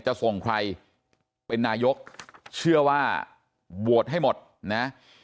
จะส่งใครเป็นนายกเชื่อว่าโหวตให้หมดนะ